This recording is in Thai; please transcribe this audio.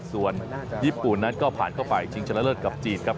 ส่วนญี่ปุ่นนั้นก็ผ่านเข้าไปชิงชนะเลิศกับจีนครับ